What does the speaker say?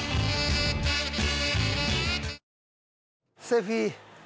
セフィ。